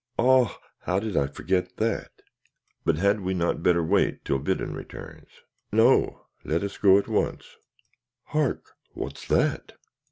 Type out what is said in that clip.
"Ah! how did I forget that? But had we not better wait till Biddon returns?" "No; let us go at once. Hark! what's that?"